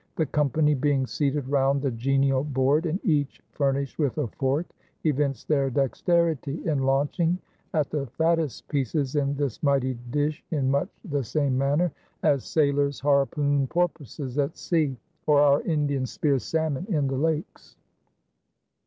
The company, being seated round the genial board and each furnished with a fork, evinced their dexterity in launching at the fattest pieces in this mighty dish in much the same manner as sailors harpoon porpoises at sea, or our Indians spear salmon in the lakes.